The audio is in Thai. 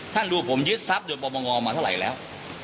ท่านดูผมยึดทรัพยนปงมาเท่าไหร่แล้ว